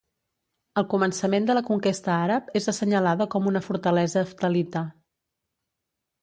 Al començament de la conquesta àrab és assenyalada com una fortalesa heftalita.